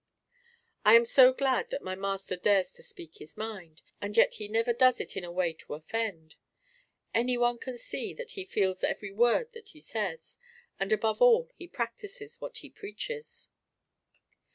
I am so glad that my master dares to speak his mind, and yet he never does it in a way to offend. Any one can see that he feels every word that he says, and above all he practices what he preaches.